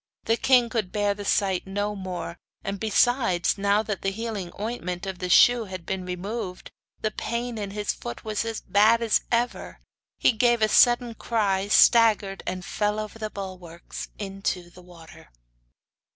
The king could bear the sight no more, and, besides, now that the healing ointment in the shoe had been removed the pain in his foot was as bad as ever; he gave a sudden cry, staggered, and fell over the bulwarks into the water.